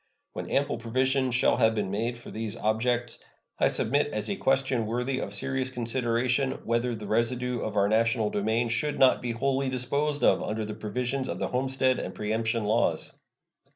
When ample provision shall have been made for these objects, I submit as a question worthy of serious consideration whether the residue of our national domain should not be wholly disposed of under the provisions the homestead and preemption laws.